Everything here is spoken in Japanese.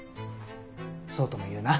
そうとも言うな。